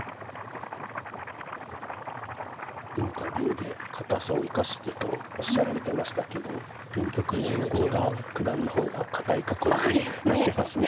インタビューで堅さを生かしてとおっしゃられてましたけど現局面は郷田九段の方が堅い囲いになってますね。